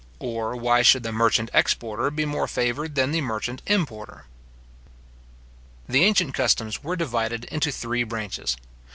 or why should the merchant exporter be more favoured than the merchant importer? The ancient customs were divided into three branches.